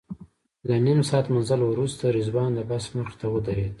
له نیم ساعت مزل وروسته رضوان د بس مخې ته ودرېد.